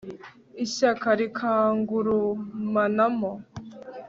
ishyaka rikangurumanamo